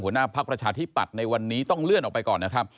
พักประชาธิปัตย์ในวันนี้ต้องเลื่อนออกไปก่อนนะครับ